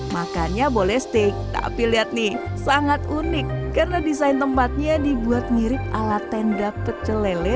makannya boleh steak tapi lihat nih sangat unik karena desain tempatnya dibuat mirip ala tenda pecelele